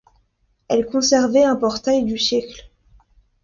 Elle conservait un portail du siècle.